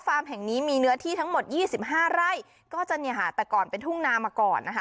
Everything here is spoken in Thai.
แห่งนี้มีเนื้อที่ทั้งหมดยี่สิบห้าไร่ก็จะเนี่ยค่ะแต่ก่อนเป็นทุ่งนามาก่อนนะคะ